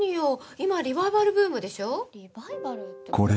今リバイバルブームでしょ。